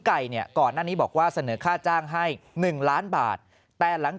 ไก่เนี่ยก่อนหน้านี้บอกว่าเสนอค่าจ้างให้๑ล้านบาทแต่หลัง